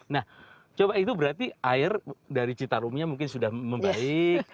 nah coba itu berarti air dari citarumnya mungkin sudah membaik